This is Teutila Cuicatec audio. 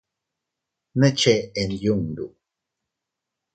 ¿Ne chen yundu?